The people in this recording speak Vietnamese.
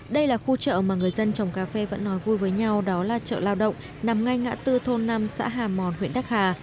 đây là khu chợ mà người dân trồng cà phê vẫn nói vui với nhau đó là chợ lao động nằm ngay ngã tư thôn năm xã hà mòn huyện đắc hà